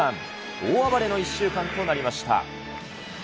大暴れの１週間となりました。